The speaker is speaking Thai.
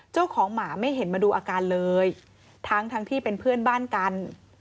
เจ้าของหมาไม่เห็นมาดูอาการเลยทั้งทั้งที่เป็นเพื่อนบ้านกัน